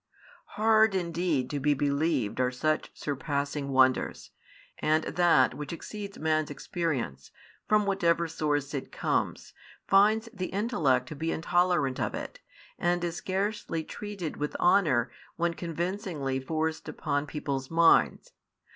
Hard indeed to be believed are such surpassing wonders, and that [which exceeds man's experience], from whatever source it comes, finds the intellect to be intolerant of it, and is scarcely treated with honour when convincingly forced upon people's minds.